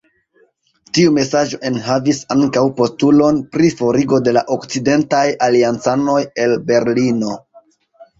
Tiu mesaĝo enhavis ankaŭ postulon pri forigo de la okcidentaj aliancanoj el Berlino.